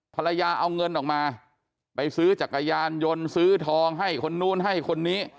ภรรยาเอาเงินออกมาไปซื้อจักรยานยนต์ซื้อทองให้คนนู้นให้คนนี้